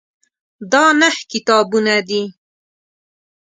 دا نهه کتابونه دي.